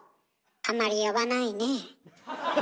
あんまり呼ばないね。